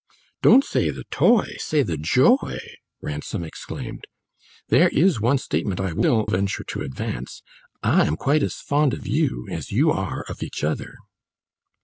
"Don't say the toy say the joy!" Ransom exclaimed. "There is one statement I will venture to advance; I am quite as fond of you as you are of each other!"